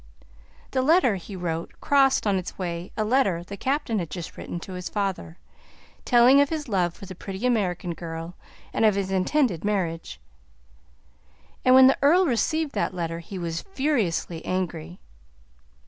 The letter he wrote crossed on its way a letter the Captain had just written to his father, telling of his love for the pretty American girl, and of his intended marriage; and when the Earl received that letter he was furiously angry.